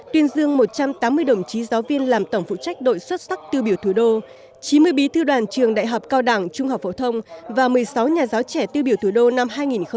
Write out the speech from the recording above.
tuyên dương một trăm tám mươi đồng chí giáo viên làm tổng phụ trách đội xuất sắc tiêu biểu thủ đô chín mươi bí thư đoàn trường đại học cao đẳng trung học phổ thông và một mươi sáu nhà giáo trẻ tiêu biểu thủ đô năm hai nghìn một mươi chín